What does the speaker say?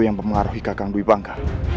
yang lebih bangga